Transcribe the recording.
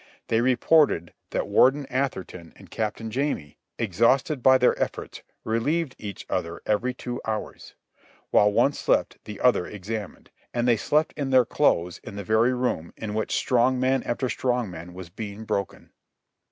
They reported that Warden Atherton and Captain Jamie, exhausted by their efforts, relieved each other every two hours. While one slept, the other examined. And they slept in their clothes in the very room in which strong man after strong man was being broken.